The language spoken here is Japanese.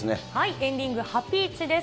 エンディング、ハピイチです。